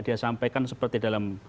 dia sampaikan seperti dalam